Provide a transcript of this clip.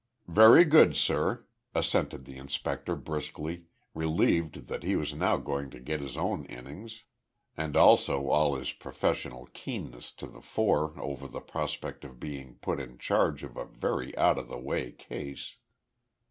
"Very good, sir," assented the inspector briskly, relieved that he was now going to get his own innings, and also all his professional keenness to the fore over the prospect of being put in charge of a very out of the way case.